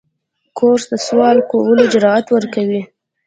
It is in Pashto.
کورس د سوال کولو جرأت ورکوي.